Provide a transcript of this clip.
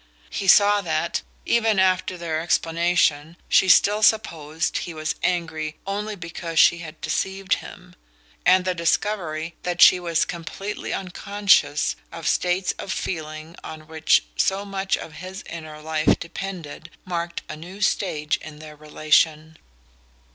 He saw that, even after their explanation, she still supposed he was angry only because she had deceived him; and the discovery that she was completely unconscious of states of feeling on which so much of his inner life depended marked a new stage in their relation.